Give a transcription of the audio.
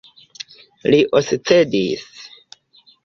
Li oscedis.